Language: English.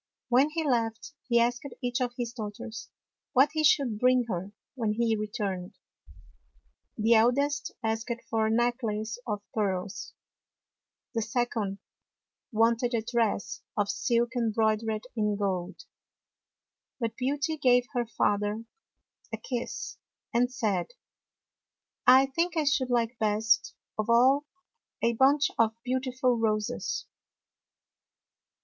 When he left, he asked each of his daughters what he should bring her when he returned. The eldest asked for a necklace of pearls; the second wanted a dress of silk embroid ered in gold; but Beauty gave her father a kiss and said, " I think I should like best of all a bunch of beautiful roses."